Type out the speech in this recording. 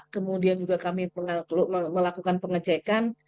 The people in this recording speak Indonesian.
kemudian juga kami melakukan pengecekan